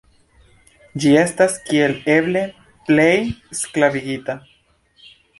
Ĝi estas kiel eble plej sklavigita.